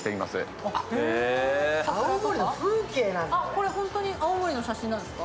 これ本当に青森の写真なんですか。